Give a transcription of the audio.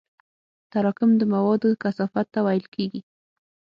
تراکم د موادو کثافت ته ویل کېږي.